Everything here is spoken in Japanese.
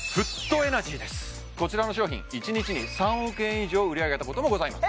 こちらの商品一日に３億円以上売り上げたこともございます